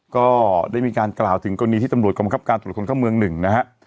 ก็ได้มีการกล่าวถึงกรณีที่ตำรวจกรมคับการตรวจคนเข้าเมืองหนึ่งนะฮะ